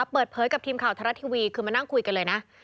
เปิดเผยกับทีมข่าวทรัฐทีวีคือมานั่งคุยกันเลยนะ